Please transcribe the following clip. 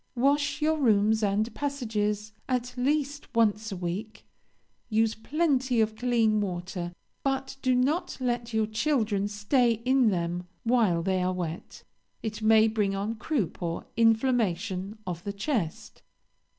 Wash your rooms and passages at least once a week, use plenty of clean water; but do not let your children stay in them while they are wet, it may bring on croup or inflammation of the chest.